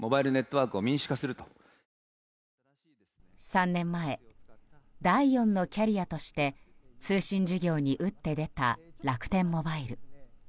３年前、第４のキャリアとして通信事業に打って出た楽天モバイル。